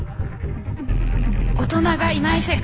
大人がいない世界。